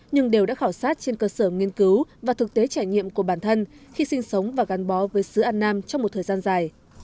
nhưng đều đã khảo sát trên cơ sở nghiên cứu và thực tế trải nghiệm của bản thân khi sinh sống và gắn bó với sứ an nam trong một thời gian dài